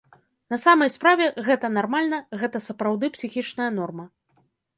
На самай справе, гэта нармальна, гэта сапраўды псіхічная норма.